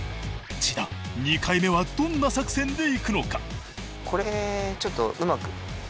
千田２回目はどんな作戦でいくのか。